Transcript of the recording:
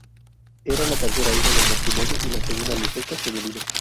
Era la tercera hija del matrimonio y la segunda de sexo femenino.